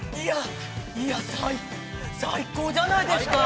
いや、最高じゃないですか。